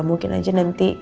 mungkin aja nanti